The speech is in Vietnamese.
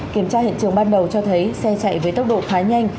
kiểm tra hiện trường ban đầu cho thấy xe chạy với tốc độ khá nhanh